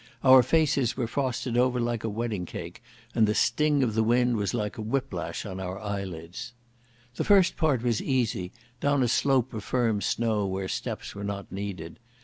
Our faces were frosted over like a wedding cake and the sting of the wind was like a whiplash on our eyelids. The first part was easy, down a slope of firm snow where steps were not needed.